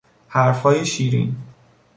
حرفهای شیرین